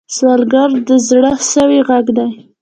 سوالګر د زړه سوې غږ دی